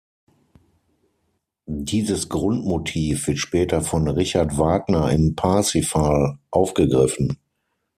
Dieses Grundmotiv wird später von Richard Wagner im Parsifal aufgegriffen.